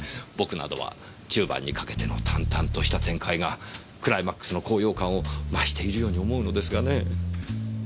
僕などは中盤にかけての淡々とした展開がクライマックスの高揚感を増しているように思うのですがねぇ。